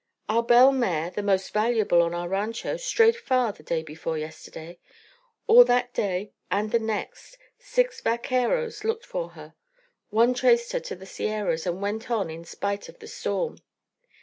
"Our bell mare, the most valuable on our rancho, strayed far the day before yesterday. All that day and the next six vaqueros looked for her. One traced her to the Sierras and went on in spite of the storm.